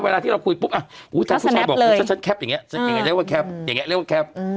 เวลาที่เราคุยปุ๊บอ่ะอุ้ยถ้าผู้ชายบอกว่าฉันแคปอย่างเงี้ยอย่างเงี้ยเรียกว่าแคป